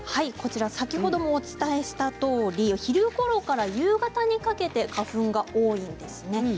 先ほどもお伝えしたとおり昼ごろから夕方にかけて花粉が多いんですね。